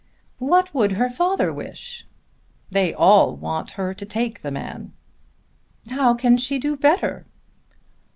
"What would her father wish?" "They all want her to take the man." "How can she do better?"